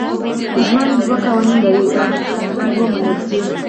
ژوند دوه قوانین لري دا حقیقت باید ومنل شي.